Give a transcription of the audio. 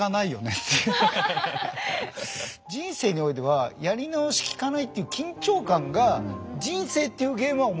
人生においてはやり直しきかないっていう緊張感が人生っていうゲームは面白くしてるじゃないですか。